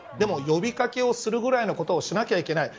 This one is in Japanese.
でも呼び掛けをするぐらいのことをしなきゃいけない。